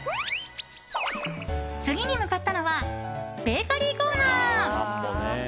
次に向かったのはベーカリーコーナー。